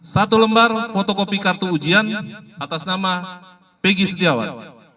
satu lembar fotokopi kartu ujian atas nama peggy setiawan